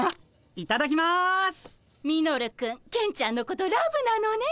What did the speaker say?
ミノルくんケンちゃんのことラブなのね。